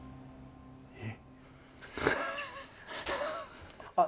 えっ。